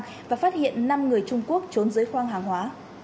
đồng nai đã phát hiện năm người trung quốc trốn dưới khoang hàng hóa